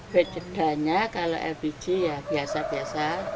bedanya kalau lpg ya biasa biasa